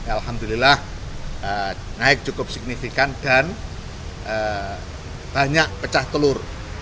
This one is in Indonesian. alhamdulillah naik cukup signifikan dan banyak pecah telur